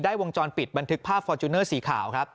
วงจรปิดบันทึกภาพฟอร์จูเนอร์สีขาวครับ